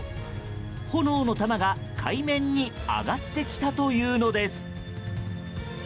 炎の球が海面に上がってきたというのです。